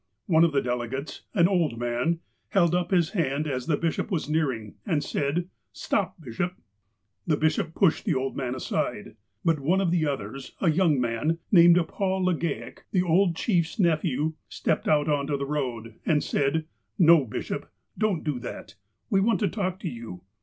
One of the delegates, an old man, held up his hand as the bishop was nearing, and said : ''Stop, bishop." The bishop pushed the old man aside. But one of the others, a young man, named Paul Legale, the old chief's nephew, stepped out into the road, and said : "No, bishop. Don't do that. We want to talk to you.